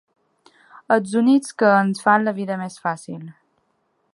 Els únics que ens fan la vida més fàcil.